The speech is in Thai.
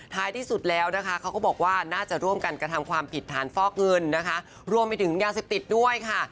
ที่สุดแล้วนะคะเขาก็บอกว่าน่าจะร่วมกันกระทำความผิดฐานฟอกเงินนะคะรวมไปถึงยาเสพติดด้วยค่ะ